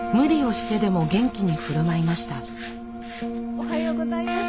・おはようございます。